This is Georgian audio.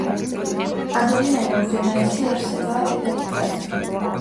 ადამიანი უზენაესი არსებაა დედამიწაზე.